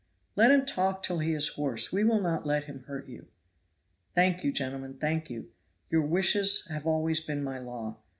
"Let him talk till he is hoarse, we will not let him hurt you." "Thank you, gentlemen, thank you. Your wishes have always been my law.